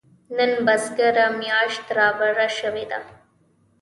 نن بزرګه مياشت رادبره شوې ده.